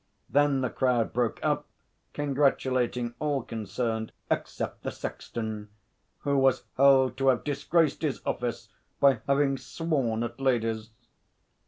Then the crowd broke up, congratulating all concerned except the sexton, who was held to have disgraced his office by having sworn at ladies.